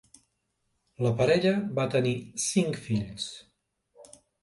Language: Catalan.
La parella va tenir cinc fills.